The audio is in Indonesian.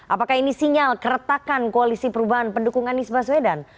apakah ini sinyal keretakan koalisi perubahan pendukung anies baswedan